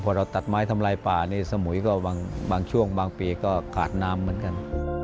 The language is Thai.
พอเราตัดไม้ทำลายป่านี่สมุยก็บางช่วงบางปีก็ขาดน้ำเหมือนกัน